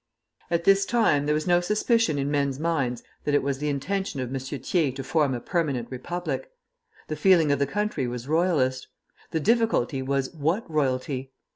At this time there was no suspicion in men's minds that it was the intention of M. Thiers to form a permanent republic. The feeling of the country was Royalist. The difficulty was what royalty?